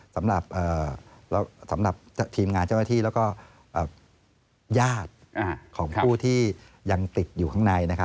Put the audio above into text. สำหรับทีมงานเจ้าหน้าที่แล้วก็ญาติของผู้ที่ยังติดอยู่ข้างใน